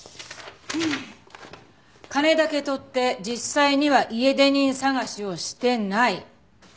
「金だけ取って実際には家出人探しをしてない」